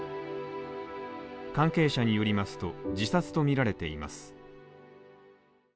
関係者によりますと、自殺とみられています。